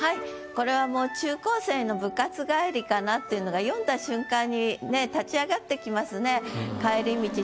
これはもう中高生の部活帰りかなっていうのが読んだ瞬間にね立ち上がってきますね。